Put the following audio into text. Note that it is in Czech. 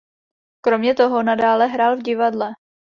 Kromě toho nadále hrál v divadle.